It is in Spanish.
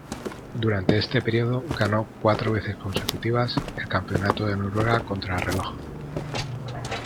Durante este periodo, ganó cuatro veces consecutivas el Campeonato de Noruega Contrarreloj.